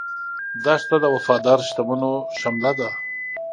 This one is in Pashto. دښته د وفادار شتمنو شمله ده.